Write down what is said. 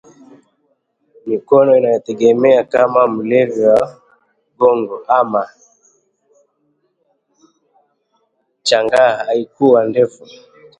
Mikono inamtetemeka kama mlevi wa gongo ama chang'aa Haikuwa ndefu